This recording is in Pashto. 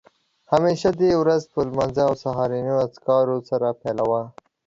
همېشه دې ورځ په لمانځه او سهارنیو اذکارو سره پیلوه